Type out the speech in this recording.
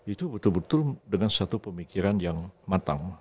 itu betul betul dengan suatu pemikiran yang matang